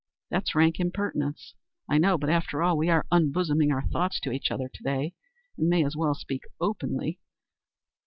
That's rank impertinence, I know; but after all, we are unbosoming our thoughts to each other to day, and may as well speak openly.